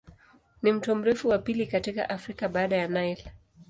Ni mto mrefu wa pili katika Afrika baada ya Nile.